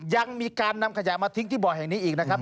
ยังมีการนำขยะมาทิ้งที่บ่อแห่งนี้อีกนะครับ